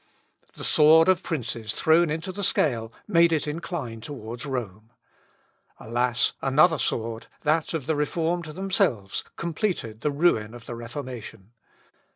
The sword of princes thrown into the scale, made it incline towards Rome. Alas! another sword, that of the reformed themselves, completed the ruin of the Reformation.